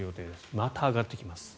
また上がってきます。